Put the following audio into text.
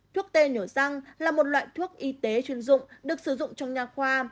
thuốc t nhổ răng là một loại thuốc y tế chuyên dụng được sử dụng trong nhà khoa